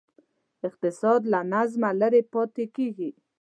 اقتصاد له نظمه لرې پاتې کېږي.